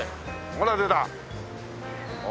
ほら出た。